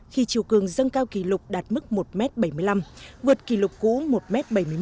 khi chiều cường dâng cao kỷ lục đạt mức một m bảy mươi năm vượt kỷ lục cũ một m bảy mươi một